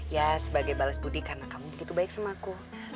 ya sebagai balas budi karena kamu begitu baik sama aku